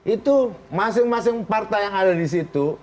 itu masing masing partai yang ada di situ